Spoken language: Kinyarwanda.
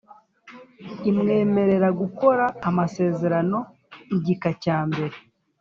imwemerera gukora amasezerano igika cyambere